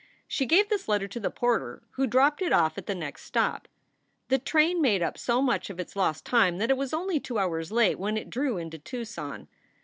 She gave this letter to the porter, who dropped it off at the next stop. The train made up so much of its lost time that it was only two hours late when it drew into Tucson.